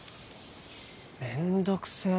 めんどくせー。